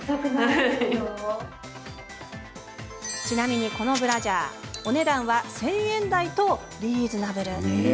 ちなみに、このブラジャーお値段は１０００円台とリーズナブル。